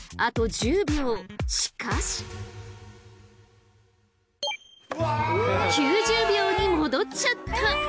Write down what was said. ９０秒に戻っちゃった！